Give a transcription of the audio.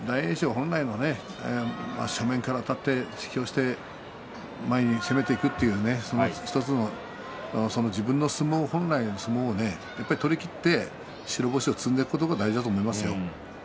本来の正面からあたって、突き押して前に攻めて行く１つの自分の相撲、本来の相撲を取りきって白星を積んでいくことが大事だと思いますよ。